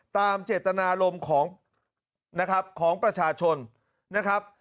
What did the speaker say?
ตามเจตนารมณ์ของประชาชนนะครับ